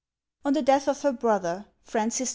ON THE DEATH OF HER BROTHER, FRANCIS I.